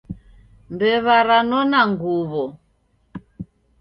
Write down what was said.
Mbewa ranona nguwo